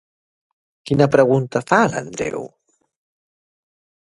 Quina pregunta fa l'Andreu?